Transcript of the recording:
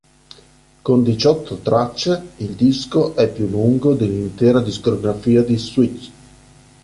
Con diciotto tracce, il disco è il più lungo dell’intera discografia di Swift.